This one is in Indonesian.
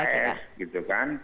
di pks gitu kan